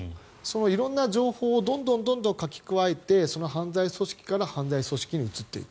色んな情報をどんどん書き加えてその犯罪組織から犯罪組織に移っていく。